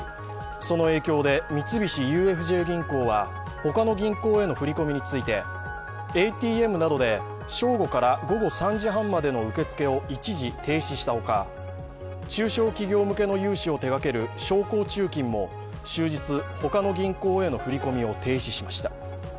その影響で三菱ＵＦＪ銀行は、他の銀行への振り込みについてＡＴＭなどで正午から午後３時半までの受け付けを一時停止したほか、中小企業向けの融資を手がける商工中金も終日、他の銀行への振り込みを停止しました。